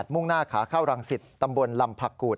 มุ่งหน้าขาเข้ารังสิตตำบลลำผักกูด